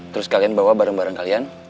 terus kalian bawa barang barang kalian